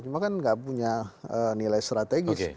cuma kan nggak punya nilai strategis